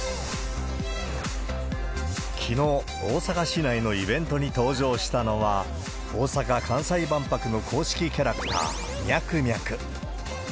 きのう、大阪市内のイベントに登場したのは、大阪・関西万博の公式キャラクター、ミャクミャク。